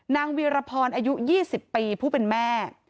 เวียรพรอายุ๒๐ปีผู้เป็นแม่